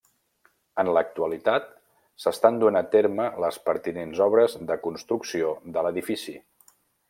En l'actualitat s'estan duent a terme les pertinents obres de construcció de l'edifici.